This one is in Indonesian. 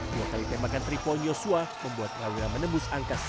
dua kali tembakan tiga point joshua membuat trawira menembus angka seratus